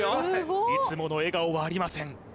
いつもの笑顔はありません